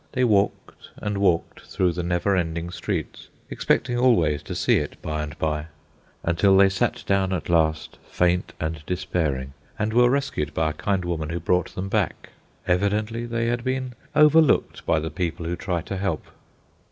They walked and walked through the never ending streets, expecting always to see it by and by; until they sat down at last, faint and despairing, and were rescued by a kind woman who brought them back. Evidently they had been overlooked by the people who try to help.